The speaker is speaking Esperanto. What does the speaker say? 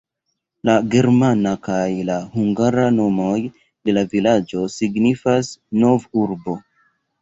La germana kaj la hungara nomoj de la vilaĝo signifas "nov-urbo".